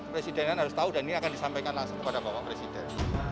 presidenan harus tahu dan ini akan disampaikan langsung kepada bapak presiden